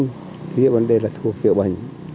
hồ kính việc vấn đề là thuộc kiểu bệnh